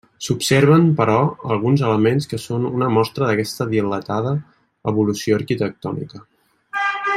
S'observen, però, alguns elements que són una mostra d'aquesta dilatada evolució arquitectònica.